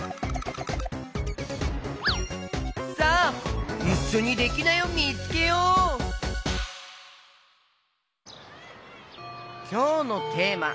さあいっしょにきょうのテーマ